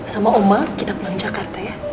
sama oma kita pulang jakarta ya